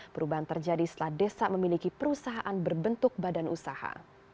perubahan terjadi setelah desa memiliki perusahaan berbentuk badan usaha